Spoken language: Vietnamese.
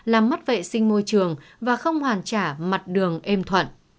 làm mất vệ sinh môi trường và không hoàn trả mặt đường êm thuận